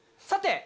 さて！